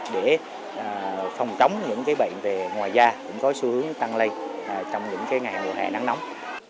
để phòng chống những bệnh về ngoài da cũng có xu hướng tăng lây trong những ngày mùa hè nắng nóng